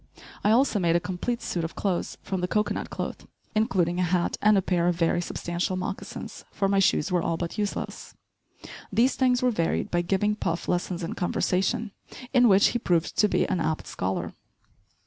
I also made a complete suit of clothes from the cocoanut cloth, including a hat and a pair of very substantial moccasins, for my shoes were all but useless. These things were varied by giving Puff lessons in conversation, in which he proved to be an apt scholar.